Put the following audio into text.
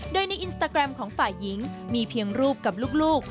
โดยในอินสตาแกรมของฝ่ายหญิงมีเพียงรูปกับลูก